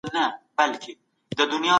مرګ د ژوند طبیعي پای دی.